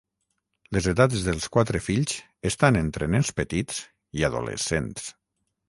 Les edats dels quatre fills estan entre nens petits i adolescents.